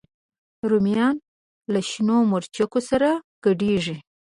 رومیان له شنو مرچو سره ګډېږي